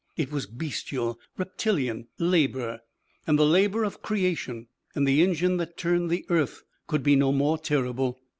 It was bestial, reptilian labour, and the labour of creation, and the engine that turned the earth could be no more terrible.